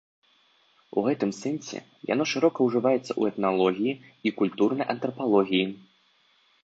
У гэтым сэнсе яно шырока ўжываецца ў этналогіі і культурнай антрапалогіі.